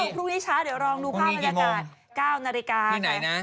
พรุ่งนี้เช้าเดี๋ยวลองดูภาพบรรยากาศ